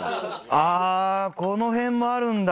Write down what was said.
ああこの辺もあるんだ。